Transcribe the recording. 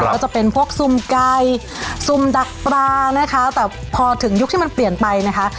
ก็จะเป็นพวกซุ่มไก่ซุ่มดักปลานะคะแต่พอถึงยุคที่มันเปลี่ยนไปนะคะ